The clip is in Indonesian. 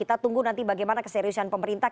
kita tunggu nanti bagaimana keseriusan pemerintah